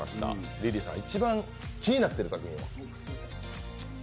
リリーさん、一番気になってる作品は？